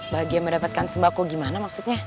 bahagia mendapatkan sembako gimana maksudnya